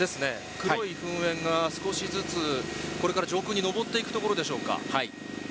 黒い噴煙が少しずつ、これから上空に上っていくところでしょうか。